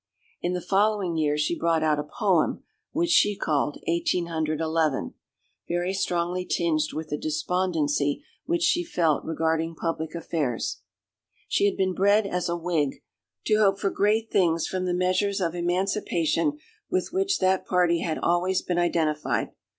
In the following year she brought out a poem, which she called "1811," very strongly tinged with the despondency which she felt regarding public affairs. She had been bred as a Whig, to hope for great things from the measures of emancipation with which that party had always been identified.